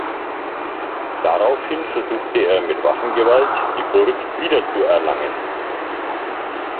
Daraufhin versuchte er mit Waffengewalt die Burg wiederzuerlangen.